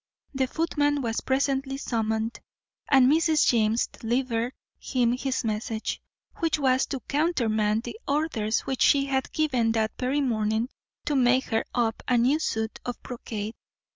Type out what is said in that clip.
The footman was presently summoned, and Mrs. James delivered him his message, which was to countermand the orders which she had given that very morning to make her up a new suit of brocade.